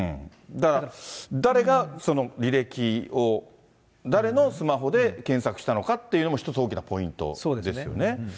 だから、誰がその履歴を、誰のスマホで検索したのかっていうのも、一つ大きなポイントですよね。